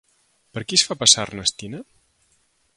Per qui es fa passar Ernestina?